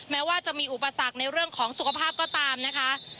แม้ว่าจะมีอุปสรรคในเรื่องของสุขภาพก็ตามนะคะ